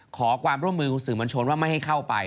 ขอความร่วมมือคุณสื่อมวลชนว่าไม่ให้เข้าไป